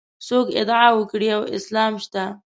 څوک ادعا وکړي یو اسلام شته.